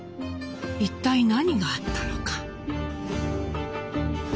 一体何があったのか。